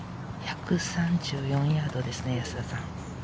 １３４ヤードです、安田さん。